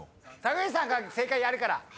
坂口さんが正解やるから。